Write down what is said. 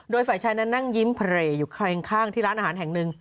โดยฝ่ายชายนั้นนั่งยิ้มเพลย์อยู่ข้างที่ร้านอาหารแห่งหนึ่ง